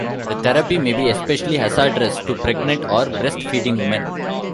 The therapy may be especially hazardous to pregnant or breast-feeding women.